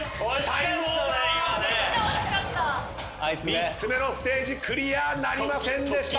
３つ目のステージクリアなりませんでした。